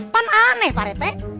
pan aneh pak rete